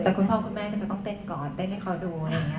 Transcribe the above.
แต่คุณพ่อคุณแม่ก็จะต้องเต้นก่อนเต้นให้เขาดูอะไรอย่างนี้